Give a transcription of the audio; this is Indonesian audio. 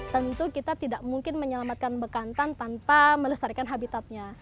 tentu kita tidak mungkin menyelamatkan bekantan tanpa melestarikan habitatnya